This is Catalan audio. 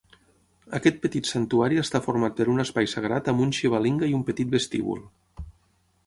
Aquest petit santuari està format per un espai sagrat amb un Shivalinga i un petit vestíbul.